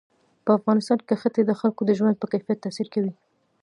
په افغانستان کې ښتې د خلکو د ژوند په کیفیت تاثیر کوي.